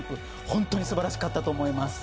本当に素晴らしかったと思います。